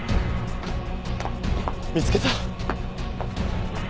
見つけた！